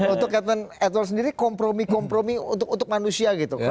untuk captain edward sendiri kompromi kompromi untuk manusia gitu